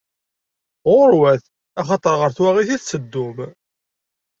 Ɣur-wat, axaṭer ɣer twaɣit i tetteddum!